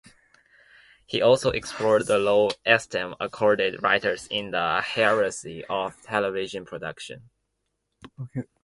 He also explored the low esteem accorded writers in the hierarchy of television production.